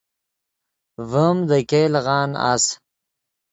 ڤیم دے ګئے لیغان اس